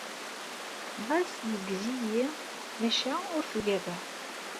Ɣas yeggez-iyi, maca ur t-ugadeɣ.